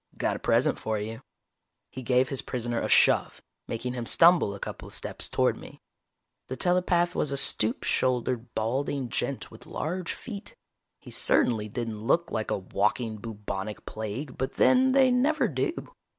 "Got a present for you." He gave his prisoner a shove, making him stumble a couple steps toward me. The telepath was a stoop shouldered balding gent with large feet. He certainly didn't look like a walking bubonic plague, but then, they never do.